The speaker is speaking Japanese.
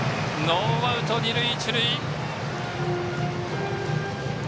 ノーアウト二塁一塁。